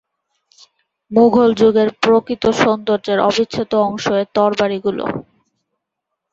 মুঘল যুগের প্রকৃত সৌন্দর্যের অবিচ্ছেদ্য অংশ এর তরবারিগুলো।